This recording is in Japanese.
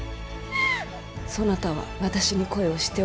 そなたは私に恋をしておるか。